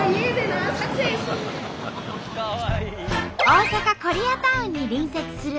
大阪コリアタウンに隣接する